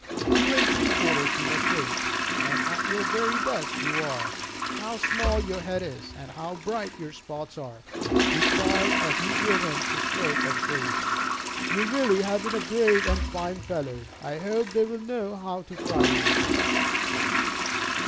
"Two and three quarters you must weigh. And at your very best you are! How small your head is! And how bright your spots are!" he cried, as he gave him the stroke of grace. "You really have been a brave and fine fellow. I hope they will know how to fry you."